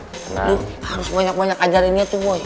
lu harus banyak banyak ajarinnya tuh boy